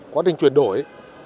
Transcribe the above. quá trình chuyển đổi